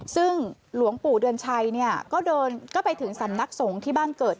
ซึ่งหลวงปู่เดือนชัยเนี่ยก็เดินก็ไปถึงสำนักสงฆ์ที่บ้านเกิด